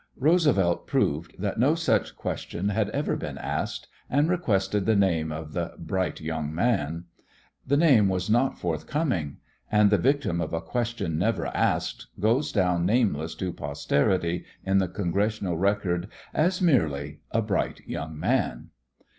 Roosevelt proved that no such question had ever been asked and requested the name of the "bright young man." The name was not forthcoming, and the victim of a question never asked goes down nameless to posterity in the Congressional Record as merely a "bright young man."